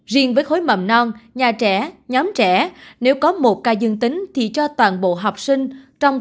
riêng với khối mầm non nhà trẻ nhóm trẻ nếu có một ca dương tính thì cho toàn bộ học sinh